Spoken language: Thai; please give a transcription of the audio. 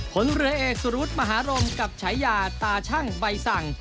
ผลเรียกสรุปมหารมกับฉายาตาชั่งใบสั่ง